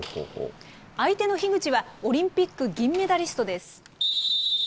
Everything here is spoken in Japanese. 相手の樋口はオリンピック銀メダリストです。